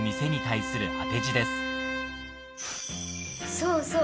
そうそう！